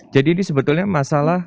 jadi ini sebetulnya masalah